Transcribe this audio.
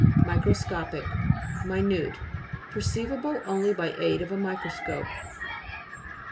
MI'CROSCOPIC Minu'te ; perceivable only by aid of a microscope.